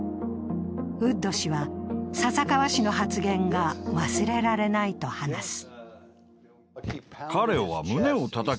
ウッド氏は、笹川氏の発言が忘れられないと話す。